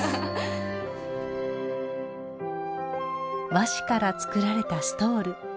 和紙から作られたストール。